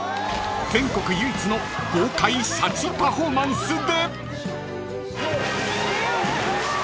［全国唯一の豪快シャチパフォーマンスで］